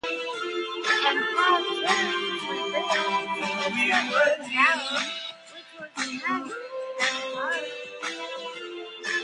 The entire church was rebuilt except for the tower which was retained and repaired.